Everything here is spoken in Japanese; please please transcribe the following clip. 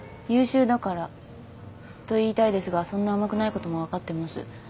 優秀だから。と言いたいですがそんな甘くないことも分かってます。